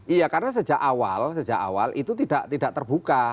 iya karena sejak awal sejak awal itu tidak terbuka